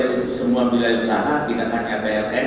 untuk semua bila usaha tidak hanya pln